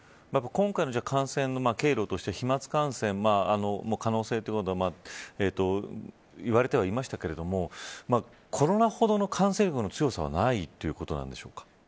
今回の感染の経路として飛まつ感染も可能性ということはいわれてはいましたけれどもコロナほどの感染力の強さはないということなんでしょうか。